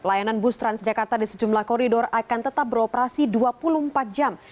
layanan bus transjakarta di sejumlah koridor akan tetap beroperasi dua puluh empat jam